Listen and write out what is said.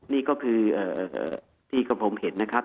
นี่ก็คือที่กระพงเห็นนะครับ